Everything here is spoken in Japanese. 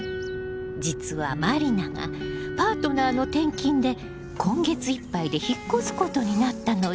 実は満里奈がパートナーの転勤で今月いっぱいで引っ越すことになったのよ。